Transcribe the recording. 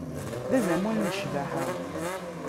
D azamul n ccbaḥa.